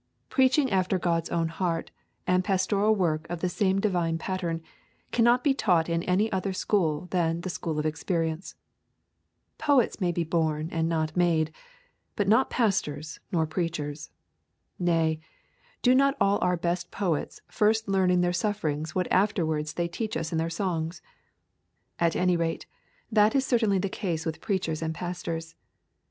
Preaching after God's own heart, and pastoral work of the same divine pattern, cannot be taught in any other school than the school of experience. Poets may be born and not made, but not pastors nor preachers. Nay, do not all our best poets first learn in their sufferings what afterwards they teach us in their songs? At any rate, that is certainly the case with preachers and pastors.